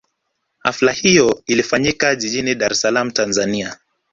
Hafla hiyo ilifanyika jijini Dar es Salaam Tanzania